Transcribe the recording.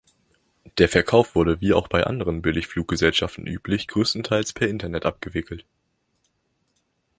Der Verkauf wurde, wie auch bei anderen Billigfluggesellschaften üblich, größtenteils per Internet abgewickelt.